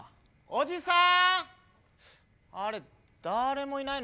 おじさん！